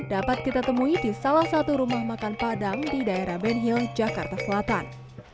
dapat kita temui di salah satu rumah makan padang di daerah benhil jakarta selatan